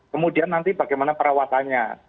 kemudian nanti bagaimana perawatannya